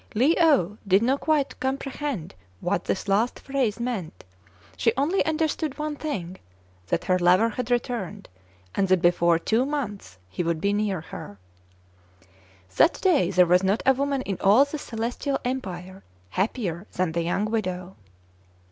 Le ou did not quite comprehend what this last phrase meant : she only understood one thing, that CRAIG AND FRY PRESENTED TO KIN FO. 107 her lover had returned, and that before two months he would be near her. That day there was not a woman in all the Celestial Empire happier than the young widow.